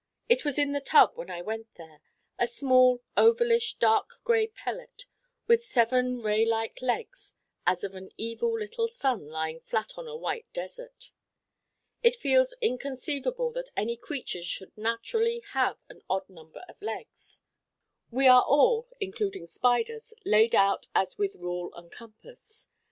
It was in the tub when I went there a small ovalish dark gray pellet with seven ray like legs as of an evil little sun lying flat on a white desert. It feels inconceivable that any creature should naturally have an odd number of legs: we are all, including spiders, laid out as with rule and compass.